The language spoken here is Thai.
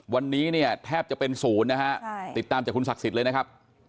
วันนี้เนี่ยแทบจะเป็นศูนย์นะฮะติดตามจากคุณศักดิ์สิทธิ์เลยนะครับ